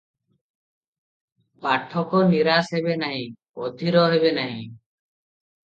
ପାଠକ ନିରାଶ ହେବେ ନାହିଁ, ଅଧିର ହେବେ ନାହିଁ ।